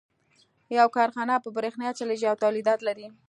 يوه کارخانه په برېښنا چلېږي او توليدات لري.